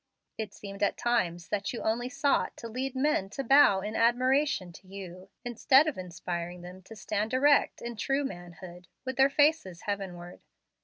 It seemed at times that you only sought to lead men to bow in admiration to you, instead of inspiring them to stand erect in true manhood, with their faces heavenward.